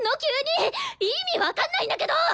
意味分かんないんだけど！